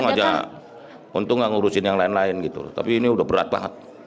sengaja untung gak ngurusin yang lain lain gitu tapi ini udah berat banget